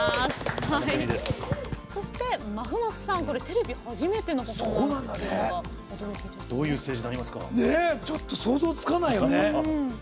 そして、まふまふさんテレビ初めての披露ということが想像つかないよね。